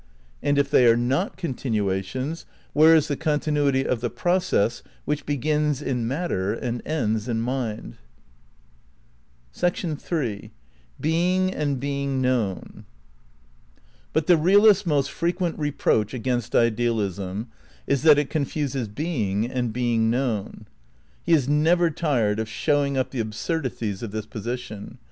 And if they are not continuations where is the continuity of the process which begins in matter and ends in mind? Ill But the realist's most frequent reproach against idealism is that it confuses "being" and "being Being known. '' He is never tired of showing up the absurd ^ ities of this position.